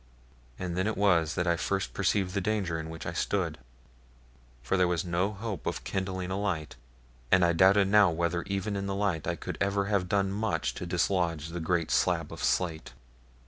And then it was that I first perceived the danger in which I stood; for there was no hope of kindling a light, and I doubted now whether even in the light I could ever have done much to dislodge the great slab of slate.